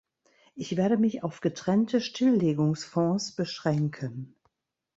Ich werde mich auf getrennte Stilllegungsfonds beschränken.